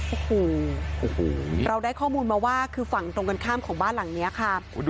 โอ้โหเราได้ข้อมูลมาว่าคือฝั่งตรงกันข้ามของบ้านหลังนี้ค่ะ